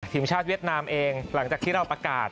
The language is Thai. ทีมชาติเวียดนามเองหลังจากที่เราประกาศ